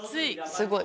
すごい。